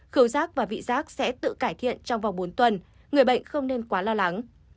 khẩu rác và vị giác sẽ tự cải thiện trong vòng bốn tuần người bệnh không nên quá lo lắng